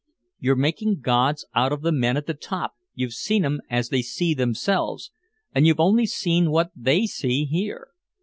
You're making gods out of the men at the top, you've seen 'em as they see themselves, and you've only seen what they see here.